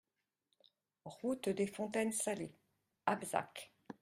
Route des Fontaines Salées, Abzac